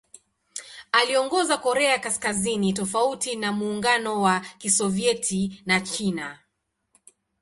Aliongoza Korea Kaskazini tofauti na Muungano wa Kisovyeti na China.